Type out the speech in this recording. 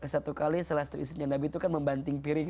satu kali salah satu istrinya nabi itu kan membanting piring